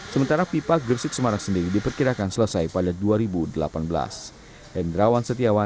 sementara pipa gresik semarang sendiri diperkirakan selesai pada dua ribu delapan belas